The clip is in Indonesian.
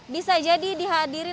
bisa jadi dihadiri